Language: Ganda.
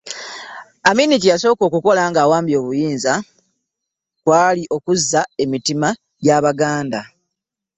Amini kye yasooka okukola ng'awambye obuyinza kwali kuzza mitima gya Baganda.